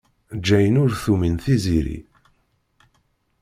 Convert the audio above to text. Jane ur tumin Tiziri.